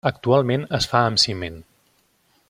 Actualment es fa amb ciment.